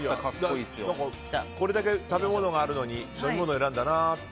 これだけ食べ物があるのに飲み物なんだなって。